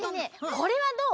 これはどう？